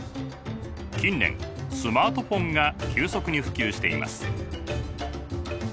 近年スマートフォンが急速に普及しています。